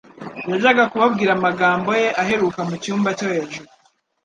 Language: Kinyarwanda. Yajyaga kubabwira amagambo ye aheruka mu cyumba cyo hejuru